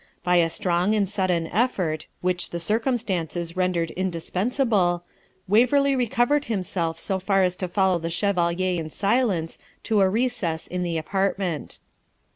By a strong and sudden effort; which the circumstances rendered indispensable, Waverley recovered himself so far as to follow the Chevalier in silence to a recess in the apartment.